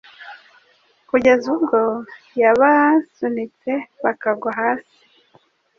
kugeza ubwo yabasunitse bakagwa hasi